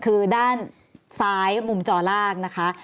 คือด้านซ้ายมุมจอล่างนะคะ